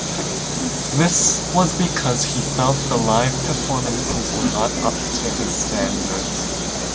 This was because he felt the live performances were not up to his standards.